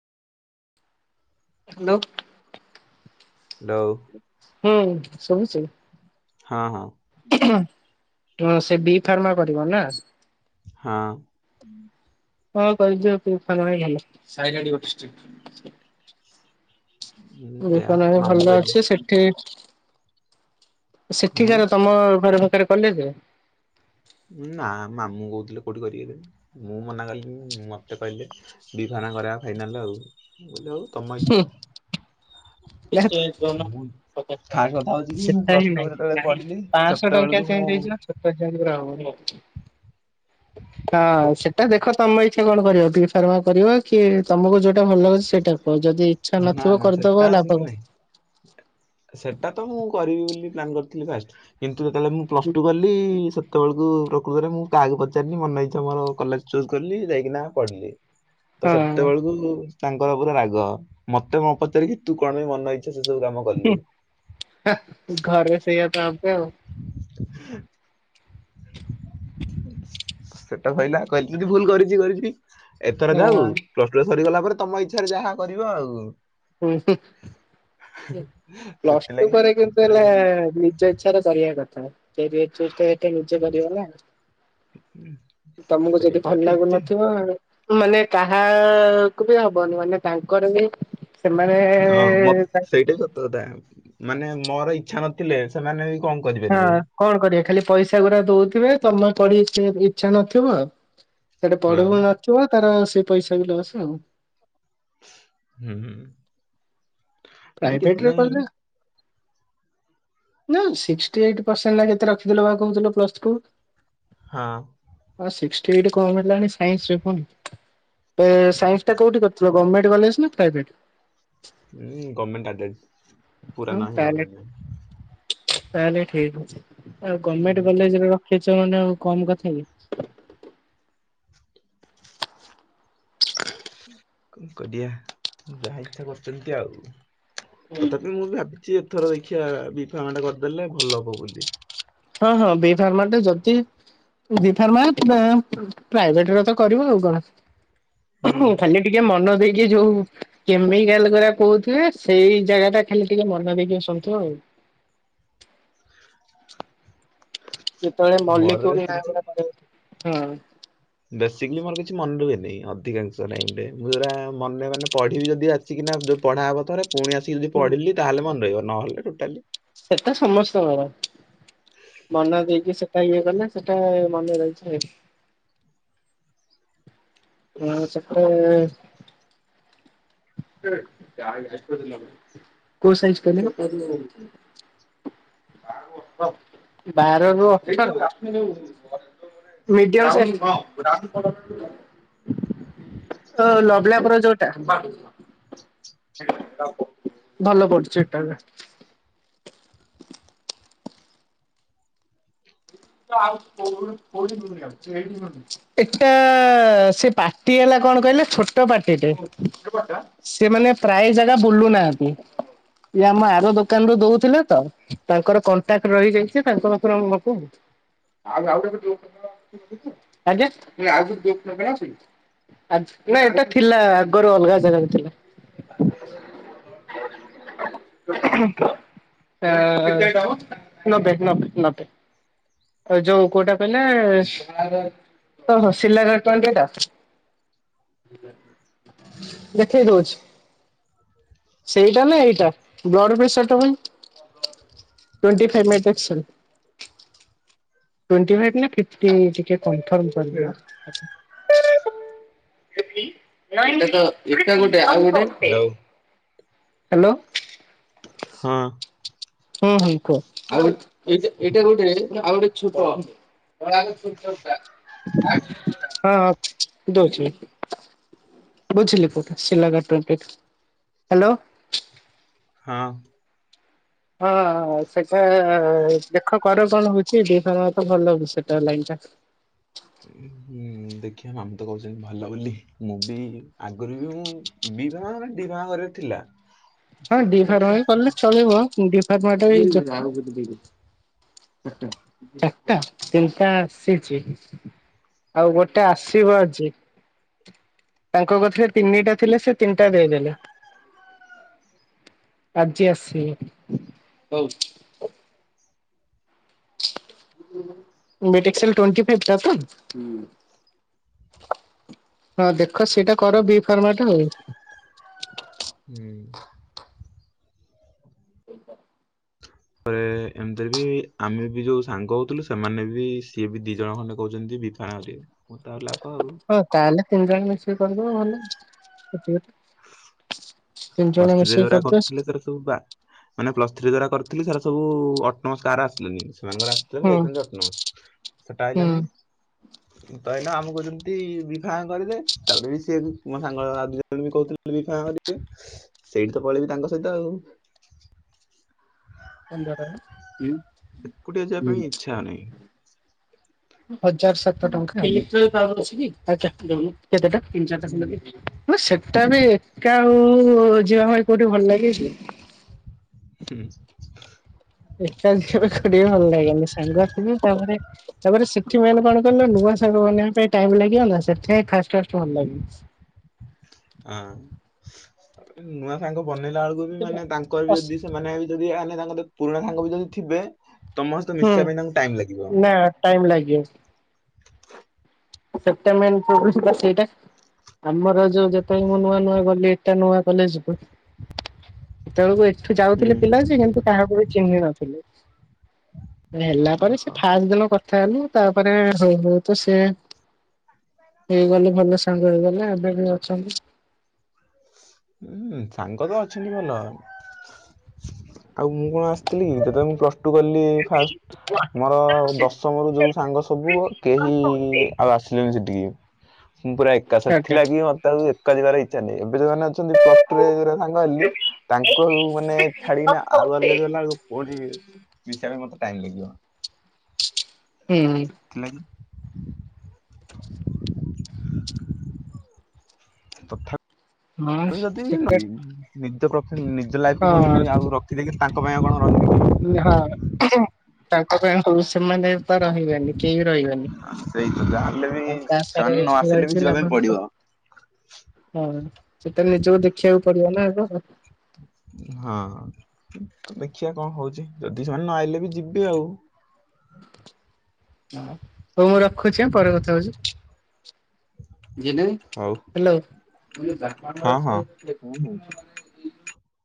Hello. Hello. ହୁଁ ଶୁବୁଛି। ହଁ, ହଁ। ହଁ ସେ ବିଫାର୍ମା କରିବ ନା। ହଁ। ହଁ କହିଦିଅ ଵିଫାର୍ମ ଭଲ, ସାଇରଡି ଗୋଟେ ଷ୍ଟ୍ରିପ। ହଁ ସେୟା ଫାର୍ମା ବି ଭଲ ଅଛି ମାମୁଁକହିଲେ। ସେଠି ହୁଁ ସେଠିକାର ତମ ଘର ପାଖରେ କଲେଜ। ନା ମାମୁଁ କହୁଥିଲେ କୋଉଠି କର। ମୁଁ ମନା କଲିି ମତେ କହିଲେ। ହେଇଥାନ୍ତା ଘରେ ଆମେ ଖାଇଥାନ୍ତେ ଆଉ। ମୁଁ କହିଲି ହଉ ତମ ଇଛା। ଏଇଆଡେ ଦଉନ। ହଜାର ଫାଷ୍ଟ କଥା ହଉଛି ଟଙ୍କିଆ କି ମୁଁ ସେଟାରେ ପ୍ଲସ ହିଁ ଟୁ ଯେତେବେଳେ ନାହିଁ ପଢିଲି ପାଞ୍ଚଶହ ଟଙ୍କିଆ ସେତେବେଳକୁ ଚେଞ୍ଜ ମୁଁ ହେଇଛିନା। ଜ [unintelligible] ହଁ ସେଟା ଦେଖ ତମେ ଇଛା କଣ କରିବ ଵିଫାର୍ମ କରିବ କି ତମକୁ ଯୋଉଟା ଭଲ ଲାଗୁଛି ସେଇଟା କୁହ ଯଦି। ଇଚ୍ଛା ନା ନଥିବ ନା କରିଦବ ଲାଭ ସେଟାଆସୁ କଣ। ନାଇଁ। ସେଟା ତ ମୁଁ କରିବି ବୋଲି ପ୍ଲାନ୍ କରିଥିଲି ଫାଷ୍ଟ। କିନ୍ତୁ ଯେତେବେଳେ ମୁଁ ପ୍ଲସ ଟୁ କଲି। ସେତେବେଳେକୁ ପ୍ରକୃତରେ ମୁଁ କାହାକୁ ପଚାରିଲି ମନଇଛା ମୋର କଲେଜ ଚୁଜ୍ କଲି ଯାଇକିନା ପଢିଲି। ହ [unintelligible] ତ ସେତେବେଳକୁ ତାଙ୍କର ପୁରା ରାଗ। ମତେ ନ ପଚାରିକି ତୁ କଣ ପାଇଁ ମନ ଇଛା। ସେ ସବୁ କାମ କଲୁ। ହେ ଘରେ ସେଇଆ କାଁଉ କାଁଉ। ହଁ। ସେଟା କହିଲା କହିଲେ ଦଦି ଭୁଲ କରିଛି କରିଛି ଏଥର ଆଉ? ପ୍ଲସଟୁ ସରିଗଲା ପରେ ତମ ଇଚ୍ଛାରେ ଯାହା କରିବ ଆଉ। ହୁଁ ପ୍ଲସ୍ ଟୁ ସେଥିଲାଗି ପରେ କିନ୍ତୁ ଚିନ୍ତା ହେଲା ରହିଗଲି ନିଜ। ଇଛା କରିବା କଥା କାରିୟତ ଚୁଜ ନିଜେ କରିବ ନା। ତମକୁ ଯଦି ସେଇଟା ଭଲ ଠିକ ଯେ ଲାଗୁନଥିବ। ମାନେ କାହାକୁ ବି ହବନି ମାନେ ତାଙ୍କର ବି। ସେମାନେ। ହଁ ମ ସେଇଟା ସତ କଥା ମାନେ ମୋର ଇଚ୍ଛା ନଥିଲେ ସେମାନେ ବି କଣ କରିପାରିବେ ହଁ କଣ କରିବା ଖାଲି ପଇସା ଗୁଡା ଦଉଥିବେ ତମେ କରି ଇଚ୍ଛା ନଥିବ। ସେଠି ହଁ ପଢୁବି ନଥିବା ତାର ସେ ପଇସା ବି ଲସ ଆଉ। ହୁଁ ନାଇଁ କିଛି ପ୍ରାଇଭେଟରେ ନାଇଁ କଲେ। ନା ସିକ୍ସଟି ଏଇଟ ପରସେଣ୍ଟ ନା କେତେ ରଖିଥିଲ ବା କହୁଥିଲ ପ୍ଲସ ଟୁ ହଁ ହଁ ସିକ୍ସଟି ଏଇଟ କମ ହେଲାଣି ସାଇନ୍ସ ରେ କୁନ ଏ ସାଇନ୍ସ ଟା କୋଉଠି କରିଥିଲ ଗମେଣ୍ଟ କଲେଜ ନା ପ୍ରାଇଭେଟ? ହୁଁ ଗଭର୍ମେଣ୍ଟ ଆ ହଁ ତାହେଲେ ତାହେଲେ ଠିକ ଅଛି ଆଉ ହୁଁ ଗମେଣ୍ଟ କଲେଜ ର କେଚଳ ଟା ଆଉ କମ କଥା କି। କଣ କରିିଆ ଯାହା ଇଛା କରୁଛନ୍ତି ଆଉ। ତଥାପି ମୁଁ ବି ଭାବିଛି ଏଥର ଦେଖିିବା ବ ଫାର୍ମା ଟା କରିଦେଲେ ଭଲ ହବ ବୋଲି। ହଁ ହଁ ବି ଫାର୍ମ ଟେ ଯଦି ବି ଫାର୍ମା ପ୍ରାଇଭେଟ ରେ ତ କରିବ ଆଉ କଣ ହୁଁ ଖାଲି ଟିକେ ମନ ଦେଇକି ଯୋଉ କେମିକାଲ କରା କହୁଥିବେ ସେଇ ଜାଗା ଟା ଖାଲି ଟିକେ ମନ ଦେଇକି ବସନ୍ତୁ ଆଉ। ଯେତେବେଳେ ମଲି ମୋର ବେଶୀ [unintelligible] ବେସିକଲି ମୋର କିଛି ମନେ ରୁହେନି ଅଧିକାଂଶ ଟାଇରେ ମୁଁ ଜରା ମନେ ମାନେ ପଢିବି ଯଦି ଅଛି ଆସିକିନା ପଢା ହେବ ଥରେ ପୁଣି ଆସିକିନା ହୁଁ। ପଢିଲି ତାହଲେ ମନେ ରହିବ ନହେଲେ ଟୋଟାଲି ସେଟା ସମସ୍ତଙ୍କର। ମନା ଦେଇକି ସେଟା ଇଏ କଲେ ସେଟା ମନେ ରହିଛି। ହଁ ସେ କଉ ସାଇନସ୍ କହିଲେ? ବାରରୁ [unintelligible] [unintelligible] ଓ ଲବଲାପ ର ଯଉଟା। ଭଲ ପଡୁଛି ଏଟାବି। [unintelligible] ଏଟା ସେ ପାର୍ଟି ହେଲା କଣ କହିଲେ ଛୋଟ ପାର୍ଟିଟେ ସେମାନେ ପ୍ରାୟ ଜାଗା ବୁଲୁ ନାହାନ୍ତି। ଇଏ ଆମ ଆର ଦୋକାନରୁୁ ଦଉଥିଲେ ତ ତାଙ୍କର କଣ୍ଟାକ୍ଟ ରହିଯାଇଛି ତାଙ୍କ ପାଖରୁ [unintelligible] [unintelligible] ଆ ନା ଏଇଟା ଥିଲା ଆଗରୁ ଅଲଗା ଜାଗାରେ ଥିଲା। ଆ ନବେ ନବେ ନବେ। ଆଉ ଯୋଉ କୋଉଟା କହିଲେ ହଁ ସିଲା [unintelligible] ଲେଖେଇ ଦଉଛି। ସେଇଟା ନା ଏଇଟା ବ୍ଲଡ ପ୍ରେସର ଟା ପାଇଁ ଟ୍ୱେଣ୍ଟି ଫାଇଭ [unintelligible] ଟ୍ୱେଣ୍ଟି ଫାଇଭ ନା ଫିଫ୍ଟୀ ଟିକେ କନଫର୍ମ [unintelligible] ଏଇଟା ଗୋଟେ ଆଉ ଗୋଟେ। ହ୍ୟାଲୋ ହ୍ୟାଲୋ ହଁ ହଁ ଭାଇ କୁହ। ହଁ ହଁ ଦଉଛି। ବୁଝିଲି [unintelligible] ହ୍ୟାଲୋ ହଁ। ହଁ ସେଟା ଦେଖ କର କଣ ହଉଛି, ଦିଥର ତ ଭଲ ବି ସେଟା ଲାଇନ୍ ଟା। ହୁଁ, ହୁଁ। ଦେଖେ ମାମୁଁ ତ କହୁଛନ୍ତି ଭଲ ବୋଲି, ମୁଁ ବି ଆଗରୁ ବି ମୁଁ [unintelligible] ଡିଫାର୍ମା କରିବାର ଥିଲା। ହଁ ସେ ଡି ଫାର୍ମା ଦେଖିଆ ବି କଲେ ଚଳିବ, କି ଡି ଫାର୍ମା ଟା ବି ଚ ଚାଟା ଚାଟା ତିନ ଟା ଆସିଛି। ଆଉ ଗୋଟେ ଆସିବ ଆଜି। ତାଙ୍କ କଥିରେ ତିନିଟା ଥିଲେ ସେ ତିନିଟା ଦେଇଦେଲେ। ଆଜି ଆସିବ। ମେଟ୍ ଏକ୍ସଲ୍ ଟ୍ୱଣ୍ଟି ଫାଇଭ୍ ଟା ତ? ହଁ ଦେଖ ସେଟା କର ବି ଫାର୍ମା ଟା ଆଉ। ହୁଁ। [inaudible] ତାପରେ ହ ଏମିତିରେ ବି ଆମେ ବି ଯୋଉ ସାଙ୍ଗ ହଉଥିଲୁ ସେମାନେ ବି ସିଏ ବି ଦି ଜଣ ଖଣ୍ଡେ କହୁଛନ୍ତି ବିଫାର୍ମା କରିବେ। ମୁଁ ତ ଆଉ ଲାଭ ଆଉ। ହଉ ତାହେଲେ ତିନି ଜଣ ମିଶିକି କରିବେ ଭଲ, [unintelligible] ତିନି ଜଣ ମିଶିକି କରିଦିଅ। ତୁ ବା ମାନେ ପ୍ଲସ୍ ଥ୍ରୀ ଯେରା କରିଥିଲି ସାରା ସବୁ ଅଟମ ସାରେ ଆସିଲେନି। ସେମାନଙ୍କର ଆସିଥିଲେ ମୁଁ ହୁଁ ଯାଇଥାନ୍ତି ଅଟନମୋସ, ସେଟା ଆଇଲାନି। ହଁ [unintelligible] ଆମ କହୁଛନ୍ତି ବିଫାମ୍ କରିଦେ, ତାପରେ ବି ସିଏ ବି ମୋ ସାଙ୍ଗ ଦୁଇ ଜଣ ବି କହୁଥିଲେ ବିଫାର୍ମା କରିବେ, ସେଇଠି ତ ପଳେଇବି ତାଙ୍କ ସହିତ ଆଉ। ପନ୍ଦର [unintelligible] ଏକୁଟିଆ ଯିବା ପାଇଁ ଇଚ୍ଛା [unintelligible] ହଉନି ହଁ ସେଟା ବି ଏକା ଆଉ ଯିବା ପାଇଁ କୋଉଠି ଭଲ ଲାଗେ କି? ହୁଁ। ଏକା ଯିବାପାଇଁ କୋଉଠି ଭଲ ଲାଗେନି, ସାଙ୍ଗ ଥିବେ ତାପରେ ତାପରେ ସେଠି ମେନ୍ କଣ କହିଲେ ନୂଆ ସାଙ୍ଗ ବନେଇବା ପାଇଁ ଟାଇମୂ ଲାଗିବ ନା ସେଥିପାଇଁ ଫାଷ୍ଟ ଫାଷ୍ଟ ଭଲ ଲାଗିବ। ଅଁ, ନୂଆ ସାଙ୍ଗ ବନେଇଲା ବେଳକୁ ବି ମାନେ ତାଙ୍କର ବି ଅଶୀ ଯଦି ସେମାନେ ଏଇ ଯଦି ଆମେ ତାଙ୍କତେ ପୁରୁଣା ସାଙ୍ଗ ବି ଯଦି ଥିବେ ତମ ସହିତ ହୁଁ, ମିଶିବା ପାଇଁ ତାଙ୍କୁ ଟାଇମ୍ ଲାଗିବ। ନା ଟାଇମ୍ ଲାଗିବ। ସେଟା ମେନ୍ କହୁଚି ପା ସେଇଟା। ଆମର ଯୋଉ ଯେତେବି ମୁଁ ନୂଆ ନୂଆ ଗଲି ଏକା ନୂଆ କଲେଜ୍ କୁ। ସେତେବେଳକୁ ଏଠୁ ହୁଁ। ଯାଉଥିଲେ ପିଲା ଯେ କିନ୍ତୁ କାହାକୁ ବି ଚିହ୍ନି ନଥିଲେ। ହେଲା ପରେ ସେ ଓହୋ। ଫାଷ୍ଟ ଦିନ କଥା ହେଲୁ ତାପରେ ହଉ ହଉ ତ ସିଏ ହେଇଗଲେ ଭଲ ସାଙ୍ଗ ହେଇଗଲେ ଏବେ ବି ଅଛନ୍ତି। ହୁଁ, ସାଙ୍ଗ ତ ଅଛନ୍ତି ଭଲ। ଆଉ ମୁଁ କଣ ଆସିଥିଲି କି ଯେତେବେଳେ ମୁଁ ପ୍ଲସ୍ ଟୁ କଲି ଫାଷ୍ଟ। ମୋର ଆଜ୍ଞା। ଦଶମ ର ଯୋଉ ସାଙ୍ଗ ସବୁ ହୁଁ କେହି ହଁ ଆଉ ଆସ ସିଲେନି ସେଠିକି, ମୁଁ ପୁରା ଏକା ସେଥିଲାଗି ମୋତେ ଆଉ ଏକା ଯିବାର ଇଚ୍ଛା ନାହିଁ, ଏବେ ଯୋଉମାନେ ଅଛନ୍ତି ପ୍ଲସ ଟୁରେ [unintelligible] ସାଙ୍ଗ ହେଲି ତାଙ୍କୁ ଆଉ ମାନେ ଛାଡିକିନା ଆଉ ଅଲଗା [unintelligible] ଗଲା ବେଳକୁ ପୁଣି ମିଶିବା ପାଇଁ ମତେ ଟାଇମ୍ ଲାଗିବ। ହୁଁ। ସେଥିଲାଗି ତଥାପି ଯଦି ସେଟା [unintelligible] ନିଜ ପ୍ରଫେ, ନିଜ ଲାଇଫକୁ ହଁ ପୁଣି ଆଉ ରଖିଦେଇକିି ତାଙ୍କ ପାଇଁ ଆଉ କଣ ରହି [unintelligible] କି? ହଁ ତାଙ୍କ ପାଇଁ [unintelligible] ସେମାନେ ତ ରହିବେନି। କେହି ରହିବେନି। ସେଇ ତ ଯାହାହେଲେ ବି ତାଙ୍କ ଆଶାରେ ସେମାନେ ନ ଏଇଠି ଆସିଲେ ରହିକି ଯିବା ପାଇଁ ଲାଭ ବି ପଡିବ। କଣ? ହଁ ସେଇଠି ତ ନିଜକୁ ଦେଖିବାକୁ ପଡିବ ନା ଆଗ। ହଁ ତ ଦେଖିବା କଣ ହଉଛି? ଯଦି ସେମାନେ ନ ଆଇଲେ ବି ଯିବି ଆଉ। ହଁ ହଉ ମୁଁ ରଖୁଛି ଆଁ ପରେ କଥା ହଉଛି। [unintelligible] ହଉ। ହଁ ହଁ। ହାଲେ।।